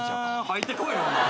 入ってこいよお前。